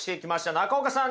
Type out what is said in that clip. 中岡さん